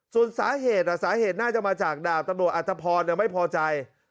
ส่วนสาเหตุสาเหตุน่าจะมาจากดาบตำรวจอัตภพรไม่พอใจ